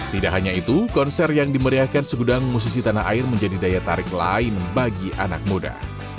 tidak hanya itu konser yang dimeriahkan segudang musisi tanah air menjadi daya tarik lain bagi anak muda